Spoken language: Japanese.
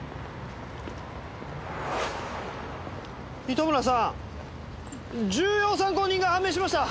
糸村さん重要参考人が判明しました！